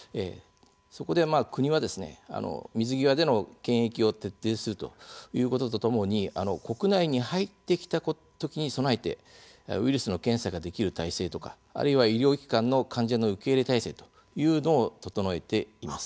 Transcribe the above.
そこで国は、水際での検疫を徹底するということとともに国内に入ってきたときに備えてウイルスの検査ができる体制とかあるいは医療機関の患者の受け入れ体制というのを整えています。